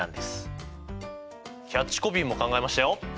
キャッチコピーも考えましたよ。